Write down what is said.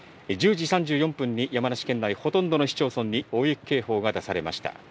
１０時３４分に山梨県内ほとんどの市町村に大雪警報が出されました。